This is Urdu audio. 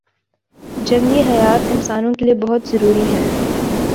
جنگلی حیات انسانوں کے لیئے بہت ضروری ہیں